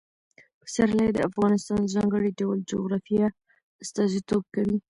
پسرلی د افغانستان د ځانګړي ډول جغرافیه استازیتوب کوي.